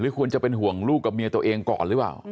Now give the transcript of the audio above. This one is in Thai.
ควรจะเป็นห่วงลูกกับเมียตัวเองก่อนหรือเปล่า